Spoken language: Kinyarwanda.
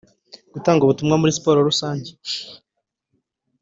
gutanga ubutumwa muri siporo rusange;